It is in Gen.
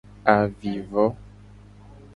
Avivo.